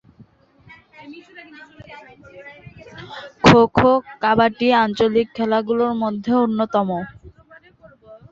খো খো, কাবাডি আঞ্চলিক খেলাগুলোর মধ্যে অন্যতম।